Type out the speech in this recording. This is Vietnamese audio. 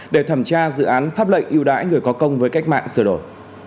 để thẩm tra dự án pháp lệnh ưu đãi người có công với cách mạng sửa đổi